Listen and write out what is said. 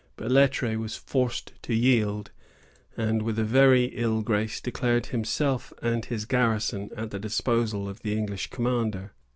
Belètre was forced to yield, and with a very ill grace declared himself and his garrison at the disposal of the English commander.